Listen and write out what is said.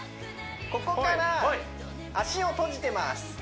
ここから足を閉じてます